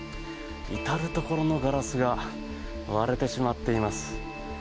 至るところのガラスが割れてしまっています。